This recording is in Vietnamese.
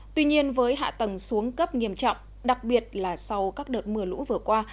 tuy nhiên với hạ tầng xuống cấp nghiêm trọng đặc biệt là sau các đợt mưa lũ vừa qua